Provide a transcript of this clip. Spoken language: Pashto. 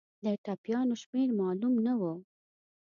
د ټپیانو شمېر معلوم نه وو.